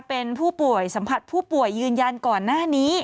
เป็นผู้ป่วยสัมผัสผู้ป่วยยืนยันก่อนหน้านี้